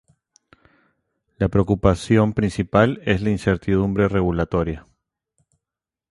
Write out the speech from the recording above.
La preocupación principal es la incertidumbre regulatoria.